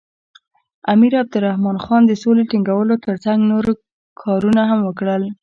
امیر عبدالرحمن خان د سولې ټینګولو تر څنګ نور کارونه هم وکړل.